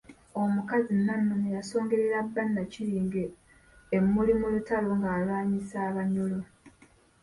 Omukazi Nannono yasongolera bba Nakibinge emmuli mu lutalo ng’alwanyisa abanyolo.